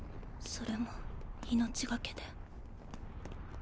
それも命懸けで。